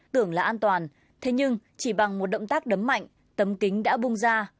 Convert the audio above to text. tưởng là an toàn thế nhưng chỉ bằng một động tác đấm mạnh tấm kính đã bung ra